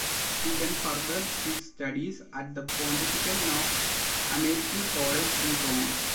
He then furthered his studies at the Pontifical North American College in Rome.